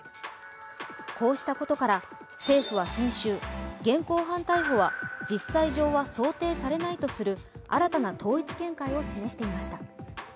こうしたことから政府は先週、現行犯逮捕は実際上は想定されないとする新たな統一見解を示していました。